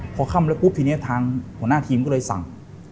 พอค่ำแล้วปุ๊บทีนี้ทางหัวหน้าทีมก็เลยสั่ง